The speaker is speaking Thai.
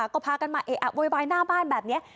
ก็พากันมาเอะอะโวยวายหน้าบ้านแบบนี้